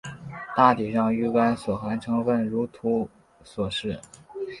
大体上玉钢所含成分如表所示。